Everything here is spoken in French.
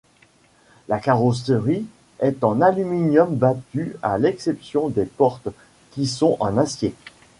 La carrosserie est en aluminium battu à l'exception des portes, qui sont en acier.